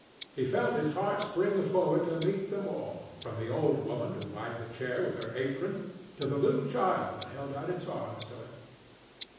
He felt his heart spring forward to meet them all, from the old woman who wiped a chair with her apron to the little child that held out its arms to him.